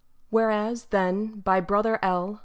Whereas, then, by brother L.